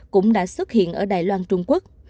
cũng đã xuất hiện ở đài loan trung quốc